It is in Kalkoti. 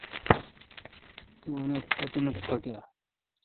تو انیت ٹھوکہ۔